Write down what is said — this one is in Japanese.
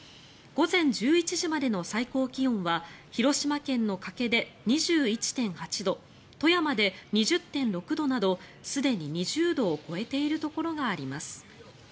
午前１１時までの最高気温は広島県の加計で２１．８度富山で２０．６度などすでに２０度を超えているところがあります。